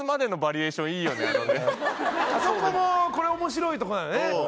あそこも面白いとこだね。